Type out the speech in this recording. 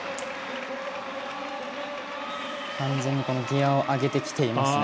完全にギヤを上げてきていますね。